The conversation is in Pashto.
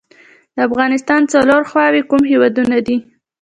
د افغانستان څلور خواوې کوم هیوادونه دي؟